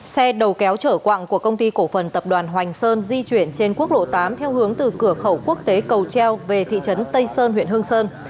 xe đầu kéo chở quặng của công ty cổ phần tập đoàn hoành sơn di chuyển trên quốc lộ tám theo hướng từ cửa khẩu quốc tế cầu treo về thị trấn tây sơn huyện hương sơn